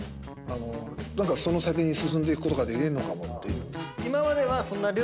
何かその先に進んでいくことができるのかもっていう。